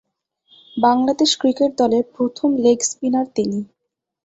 Bangladesh cricket দলের প্রথম leg spinner তিনি।